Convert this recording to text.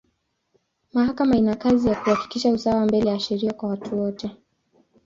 Mahakama ina kazi ya kuhakikisha usawa mbele ya sheria kwa watu wote.